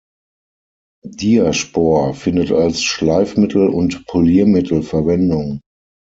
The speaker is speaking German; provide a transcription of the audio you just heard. Diaspor findet als Schleifmittel und Poliermittel Verwendung.